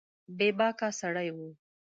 بې باکه سړی و